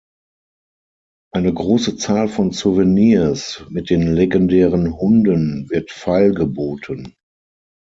Eine große Zahl von Souvenirs mit den legendären Hunden wird feilgeboten.